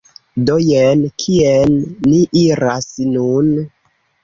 Do, jen kien ni iras nun